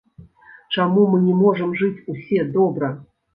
Чаму мы не можам жыць усе добра?